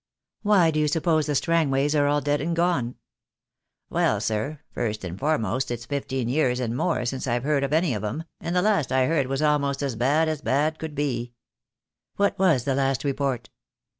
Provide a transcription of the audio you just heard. "Why do you suppose the Strangways are all dead and gone?" 1 68 THE DAY WILL COME. "Well, sir, first and foremost it's fifteen years and more since I've heard of any of 'em, and the last I heard was about as bad as bad could be." "What was that last report?"